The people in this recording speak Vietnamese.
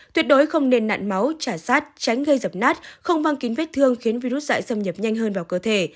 tuyệt đối không nên nạn máu trả sát tránh gây dập nát không mang kín vết thương khiến virus dại xâm nhập nhanh hơn vào cơ thể